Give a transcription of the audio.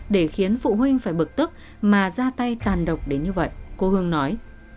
để khiến phụ huynh phải bực tức mà ra tay tàn độc đến như vậy cô hương nói